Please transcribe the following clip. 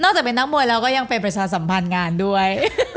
นอกจากเป็นนักมวยเราก็ยังเป็นบริษัทสัมพันธ์งานด้วย